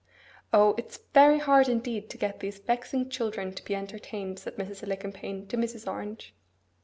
'O, it's very hard indeed to get these vexing children to be entertained!' said Mrs. Alicumpaine to Mrs. Orange.